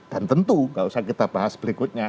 dan tentu gak usah kita bahas berikutnya